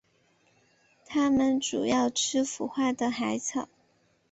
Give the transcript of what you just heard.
它们主要吃腐化的海草。